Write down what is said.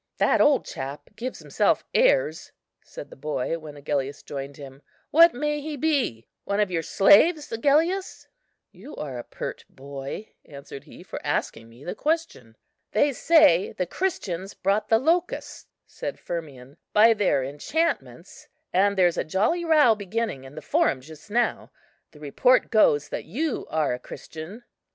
"That old chap gives himself airs," said the boy, when Agellius joined him; "what may he be? one of your slaves, Agellius?" "You're a pert boy," answered he, "for asking me the question." "They say the Christians brought the locusts," said Firmian, "by their enchantments; and there's a jolly row beginning in the Forum just now. The report goes that you are a Christian."